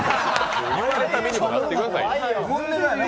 言われる身にもなってくださいよ。